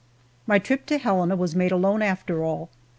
MY trip to Helena was made alone, after all!